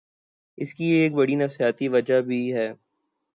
اس کی ایک بڑی نفسیاتی وجہ بھی ہے۔